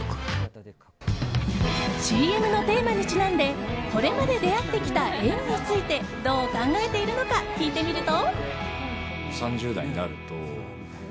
ＣＭのテーマにちなんでこれまで出会ってきた縁についてどう考えているのか聞いてみると。